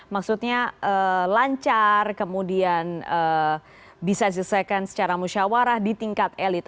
maksudnya lancar kemudian bisa diselesaikan secara musyawarah di tingkat elit